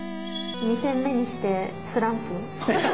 ２戦目にしてスランプ。